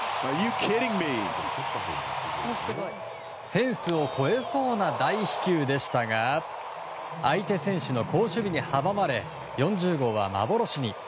フェンスを越えそうな大飛球でしたが相手選手の好守備に阻まれ４０号は幻に。